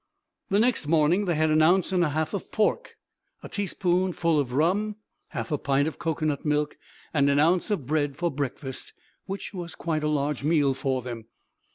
The next morning they had an ounce and a half of pork, a teaspoonful of rum, half a pint of cocoanut milk and an ounce of bread for breakfast, which was quite a large meal for them.